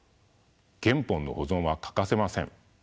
原本の保存は欠かせません。